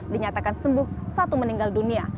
dua belas dinyatakan sembuh satu meninggal dunia